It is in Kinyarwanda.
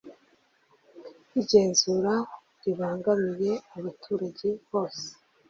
igenzura ribangamiye abaturage bose .